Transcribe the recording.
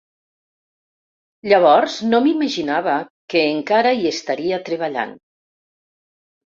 Llavors no m’imaginava que encara hi estaria treballant.